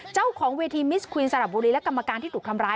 เจ้าของเวทีมิสควีนสระบุรีและกรรมการที่ถูกทำร้าย